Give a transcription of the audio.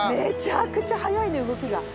めちゃくちゃ速いね動きが。